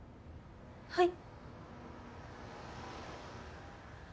はい。